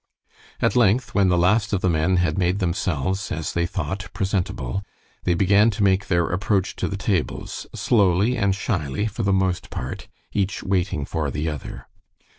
At length, when the last of the men had made themselves, as they thought, presentable, they began to make their approach to the tables, slowly and shyly for the most part, each waiting for the other.